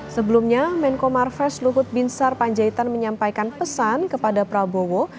sebelumnya menko marves luhut binsar panjaitan menyampaikan pesan kepada prabowo